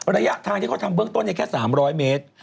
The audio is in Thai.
ระยะทางที่เขาทำเบื้องต้นแค่๓๐๐เมตร